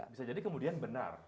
bisa jadi kemudian benar